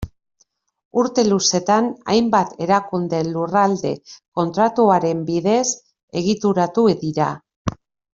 Urte luzetan, hainbat erakunde Lurralde Kontratuaren bidez egituratu dira.